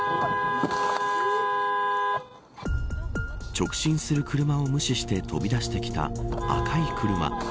直進する車を無視して飛び出してきた赤い車。